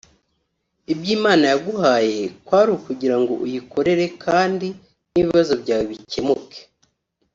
Ibyo Imana yaguhaye kwari ukugira ngo uyikorere kandi n’ibibazo byawe bikemuke